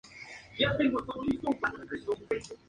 Su localidad natal, Astudillo, le dedicó una calle.